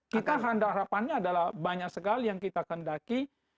kita harapannya adalah banyak sekali yang kita kendaki